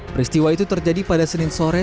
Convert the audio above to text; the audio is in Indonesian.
peristiwa itu terjadi pada senin sore